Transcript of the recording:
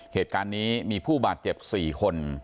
เหตุการณ์นี้มีผู้บาดเจ็บ๔คน